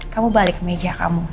kamu balik ke meja kamu